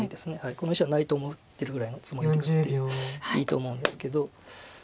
この石はないと思ってるぐらいのつもりで打っていいと思うんですけど。